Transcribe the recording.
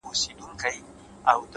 عقیدې يې دي سپېڅلي شرابونه په لیلام دي